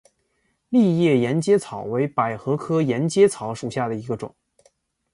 丽叶沿阶草为百合科沿阶草属下的一个种。